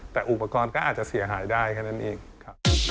แต่อุปกรณ์ก็อาจจะเสียหายได้แค่นั้นเองครับ